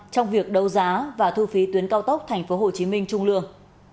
trong việc đấu giá và thu phí tuyến cao tốc tp hcm trung lương